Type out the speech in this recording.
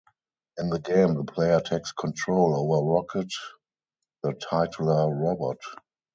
In the game the player takes control over Rocket, the titular robot.